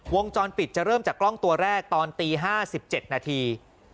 วงจรปิดจะเริ่มจากกล้องตัวแรกตอนตี๕๗นาที